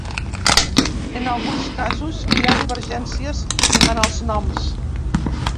En alguns casos hi ha divergències en els noms.